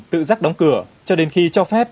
tự rắc đóng cửa cho đến khi cho phép